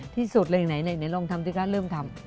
ที่สุดเลยไหนลองทำสิคะเริ่มทำ